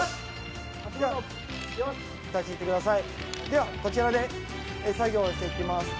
ではこちらで作業していきます。